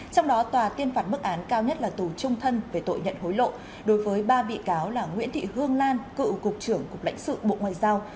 trong đó tòa tuyên phạt mức án cao nhất là tù trung thân về tội nhận hối lộ đối với ba bị cáo là nguyễn thị hương lan cựu cục trưởng cục lãnh sự bộ ngoại giao